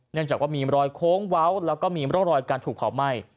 จากว่ามีรอยโค้งเว้าแล้วก็มีร่องรอยการถูกเผาไหม้